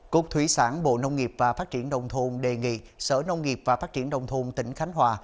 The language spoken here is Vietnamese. cục thủy sản bộ nông nghiệp và phát triển đông thôn đề nghị sở nông nghiệp và phát triển đông thôn tỉnh khánh hòa